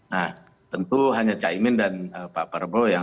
nah tentu hanya cak imin dan pak prabowo